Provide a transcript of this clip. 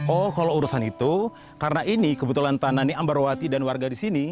oh kalau urusan itu karena ini kebetulan tanah ini ambarwati dan warga di sini